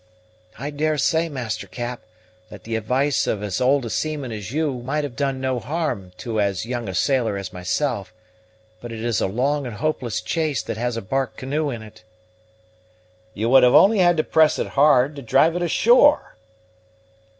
"I daresay, Master Cap, that the advice of as old a seaman as you might have done no harm to as young a sailor as myself, but it is a long and a hopeless chase that has a bark canoe in it." "You would have had only to press it hard, to drive it ashore."